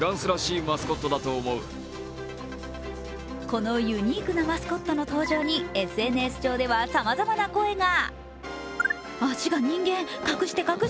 このユニークなマスコットの登場にＳＮＳ上ではさまざまな声が。